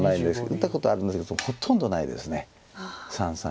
打ったことはあるんですけどほとんどないです三々は。